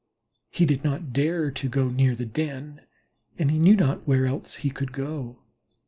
He did not dare to go near the den, and knew not where else he could go.